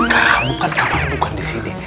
kamu kan kamarnya bukan disini